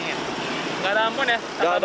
gak ada ampun ya kata bang ya